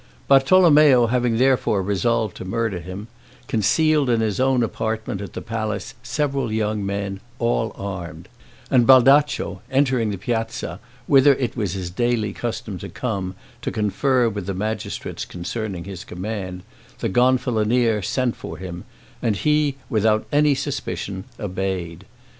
Bartolommeo having therefore resolved to murder him, concealed in his own apartment at the palace several young men, all armed; and Baldaccio, entering the piazza, whither it was his daily custom to come, to confer with the magistrates concerning his command, the Gonfalonier sent for him, and he, without any suspicion, obeyed.